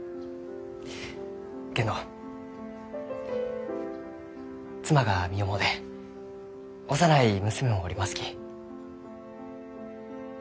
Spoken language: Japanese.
けんど妻が身重で幼い娘もおりますき。